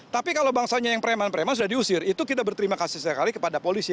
tapi kalau bangsanya yang preman preman sudah diusir itu kita berterima kasih sekali kepada polisi